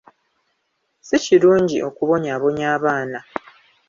Ssi kirungi okubonyaabonya abaana.